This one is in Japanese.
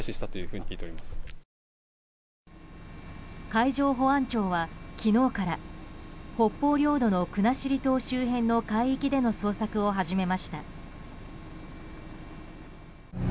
海上保安庁は昨日から北方領土の国後島周辺の海域での捜索を始めました。